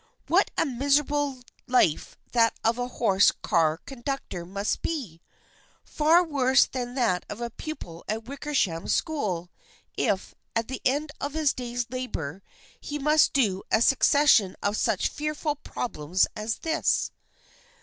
What a miserable life that of a horse car conductor must be ! Far worse than that of a pupil at the Wickersham School, if, at the end of his day's labor, he must do a suc cession of such fearful problems as this.